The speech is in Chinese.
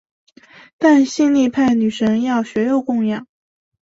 但性力派女神要血肉供养。